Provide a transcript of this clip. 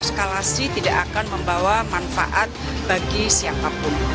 eskalasi tidak akan membawa manfaat bagi siapapun